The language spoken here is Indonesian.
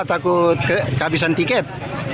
takut kehabisan tiket